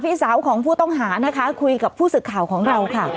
พี่สาวของผู้ต้องหานะคะคุยกับผู้สื่อข่าวของเราค่ะ